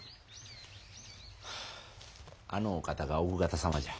あのお方が奥方様じゃ。